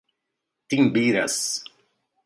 Timbiras